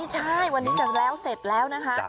ใช่วันนี้จะแล้วเสร็จแล้วนะคะ